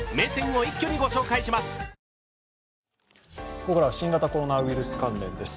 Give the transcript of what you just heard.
ここからは新型コロナウイルス関連です。